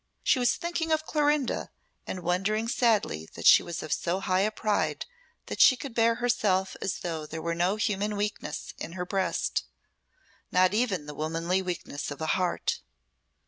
She was thinking of Clorinda, and wondering sadly that she was of so high a pride that she could bear herself as though there were no human weakness in her breast, not even the womanly weakness of a heart.